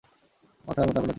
মাথা মোটা গুনাচিথরাম।